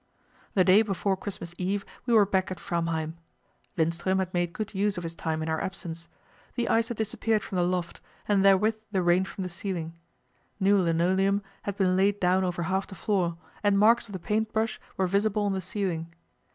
The day before Christmas Eve we were back at Framheim. Lindström had made good use of his time in our absence. The ice had disappeared from the loft, and therewith the rain from the ceiling. New linoleum had been laid down over half the floor, and marks of the paint brush were visible on the ceiling.